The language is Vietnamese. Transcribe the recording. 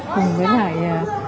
cùng với lại